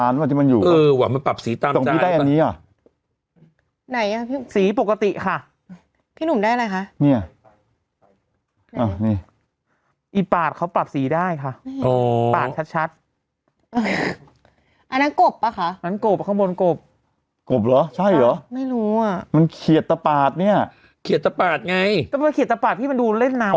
เขียนตะปาดเนี้ยเขียนตะปาดไงก็เป็นเขียนตะปาดที่มันดูเล่นน้ำ